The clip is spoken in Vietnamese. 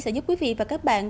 sẽ giúp quý vị và các bạn